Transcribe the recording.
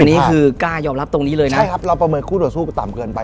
อันนี้คือกล้ายอมรับตรงนี้เลยนะครับเราประเมินคู่ต่อสู้ก็ต่ำเกินไป